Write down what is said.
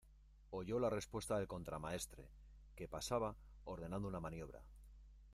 oyó la respuesta el contramaestre, que pasaba ordenando una maniobra